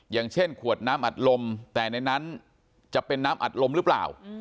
อย่างเช่นขวดน้ำอัดลมแต่ในนั้นจะเป็นน้ำอัดลมหรือเปล่า